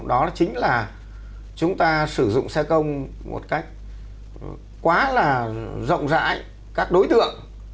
đó chính là chúng ta sử dụng xe công một cách quá là rộng rãi các đối tượng